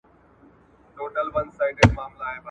سولاغه هره ورځ څاه ته نه لوېږي